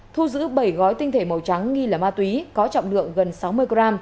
thu giữ bảy gói tinh thể màu trắng nghi là ma túy có trọng lượng gần sáu mươi g